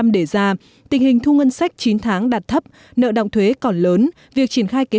để ra tình hình thu ngân sách chín tháng đạt thấp nợ động thuế còn lớn việc triển khai kế